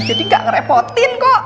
jadi enggak ngerepotin kok